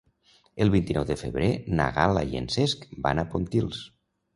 El vint-i-nou de febrer na Gal·la i en Cesc van a Pontils.